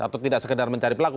atau tidak sekedar mencari pelaku